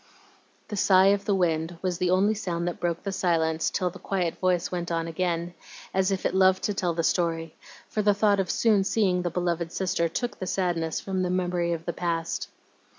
The sigh of the wind was the only sound that broke the silence till the quiet voice went on again, as if it loved to tell the story, for the thought of soon seeing the beloved sister took the sadness from the memory of the past.